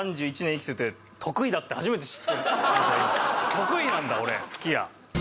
得意なんだ俺吹き矢。